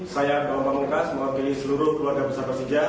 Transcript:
saya bambang pamungkas mengopini seluruh keluarga persija